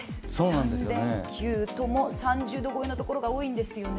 ３連休とも３０度超えのところが多いんですよね。